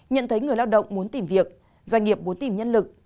nhận thấy người lao động muốn tìm việc doanh nghiệp muốn tìm nhân lực